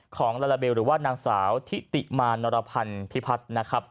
ของลาลาเบลหรือว่านางสาวทิติมานรพันธ์พิพัฒน์นะครับ